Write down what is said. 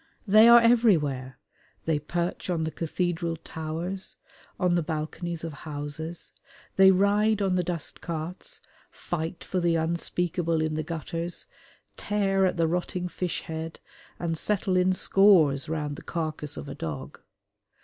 They are everywhere: they perch on the cathedral towers, on the balconies of houses: they ride on the dustcarts, fight for the unspeakable in the gutters, tear at the rotting fish head and settle in scores round the carcase of a dog.